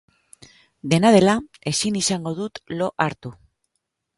Dena dela, ezin izango dut lo hartu.